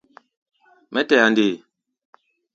Mɛ́ tɛa nde?